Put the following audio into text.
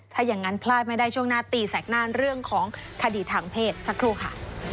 ถ้าอย่างนั้นพลาดไม่ได้ช่วงหน้าตีแสกหน้าเรื่องของคดีทางเพศสักครู่ค่ะ